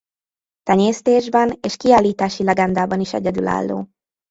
Tenyésztésben és kiállítási legendában is egyedülálló.